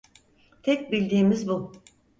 Tek bildiğimiz bu.